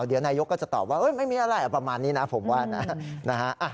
เดี๋ยวนายกก็จะตอบว่าไม่มีอะไรประมาณนี้นะผมว่านะ